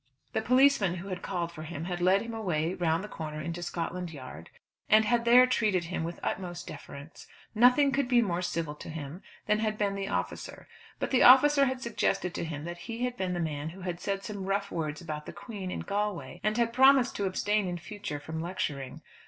The policeman who had called for him had led him away round the corner into Scotland Yard, and had there treated him with the utmost deference. Nothing could be more civil to him than had been the officer. But the officer had suggested to him that he had been the man who had said some rough words about the Queen, in Galway, and had promised to abstain in future from lecturing.